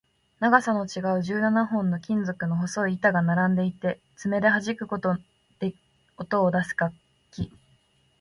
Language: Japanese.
長さの違う十七本の金属の細い板が並んでいて、爪ではじくことで音を出す楽器